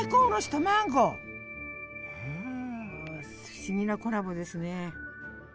不思議なコラボですね。